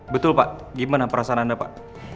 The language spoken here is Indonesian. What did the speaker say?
betul pak gimana perasaan anda pak